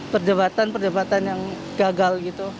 perdebatan perdebatan yang gagal gitu